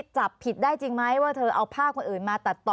จับผิดได้จริงไหมว่าเธอเอาภาพคนอื่นมาตัดต่อ